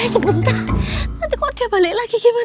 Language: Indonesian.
sebentar nanti kok dia balik lagi gimana